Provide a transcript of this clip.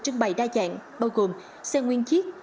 trưng bày đa dạng bao gồm xe nguyên chiếc